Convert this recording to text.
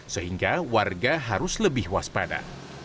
sehingga warga harus lebih waspada